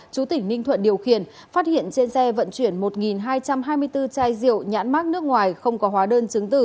chú tỉnh ninh thuận điều khiển phát hiện trên xe vận chuyển một hai trăm hai mươi bốn chai rượu nhãn mát nước ngoài không có hóa đơn chứng tử